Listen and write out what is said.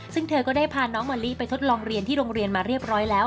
ซึ่งเธอก็ได้พาน้องมะลิไปทดลองเรียนที่โรงเรียนมาเรียบร้อยแล้ว